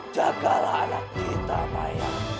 jagalah anak kita maya